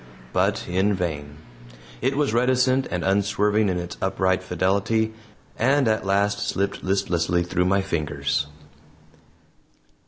But in vain. It was reticent and unswerving in its upright fidelity, and at last slipped listlessly through my fingers.